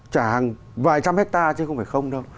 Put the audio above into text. trả hàng vài trăm hectare chứ không phải không đâu